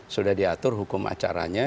sudah diatur hukum acaranya